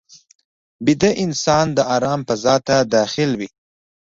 ویده انسان د آرام فضا ته داخل وي